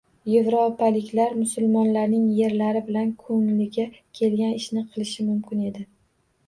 Yevropaliklar musulmonlarning yerlari bilan ko‘ngliga kelgan ishni qilishi mumkin edi